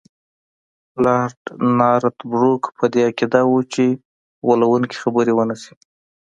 لارډ نارت بروک په دې عقیده وو چې غولونکي خبرې ونه شي.